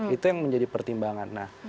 itu yang menjadi pertimbangan